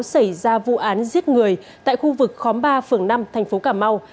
xảy ra vụ án giết người tại khu vực khóm ba phường năm thành phố cà mau